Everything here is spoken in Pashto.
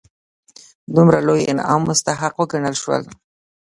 دومره لوی انعام مستحق وګڼل شول.